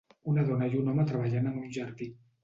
Una dona i un home treballant en un jardí.